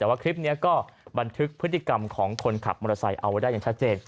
แต่ว่าคลิปนี้ก็บันทึกพฤติกรรมของคนขับมอเตอร์ไซค์เอาไว้ได้อย่างชัดเจน